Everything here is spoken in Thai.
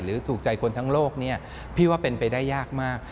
ถูกใจคนทั้งโลกเนี่ยพี่ว่าเป็นไปได้ยากมาก